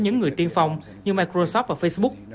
những người tiên phong như microsoft và facebook